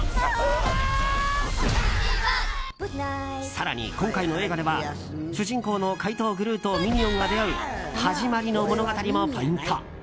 更に今回の映画では主人公の怪盗グルーとミニオンが出会う始まりの物語もポイント。